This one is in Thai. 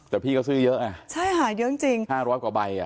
แต่พี่เขาซื้อเยอะอะ๕๐๐กว่าใบ